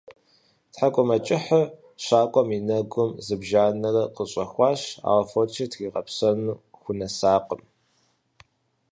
ТхьэкӀумэкӀыхьыр щакӀуэм и нэгум зыбжанэрэ къыщӀэхуащ, ауэ фочыр тригъэпсэну хунэсакъым.